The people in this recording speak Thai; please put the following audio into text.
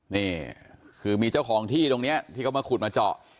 นี่คือมีเจ้าของที่ตรงนี้ที่เขามาขุดมาเจาะ